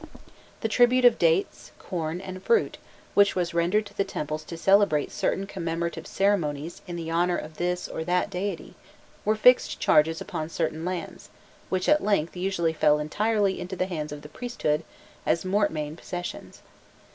The tribute of dates, corn, and fruit, which was rendered to the temples to celebrate certain commemorative ceremonies in the honour of this or that deity, were fixed charges upon certain lands, which at length usually fell entirely into the hands of the priesthood as mortmain possessions.